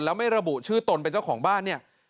แล้วไม่ระบุชื่อตนเป็นเจ้าของบ้านเนี่ย